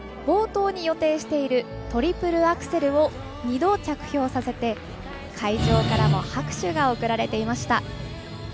冒頭に予定しているトリプルアクセルを２度、着氷させて会場からも拍手が送られていました。